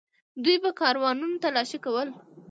دوی به کاروانونه تالاشي کول.